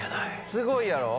すごいやろ？